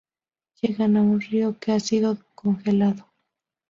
Llegan a un río que ha sido congelado.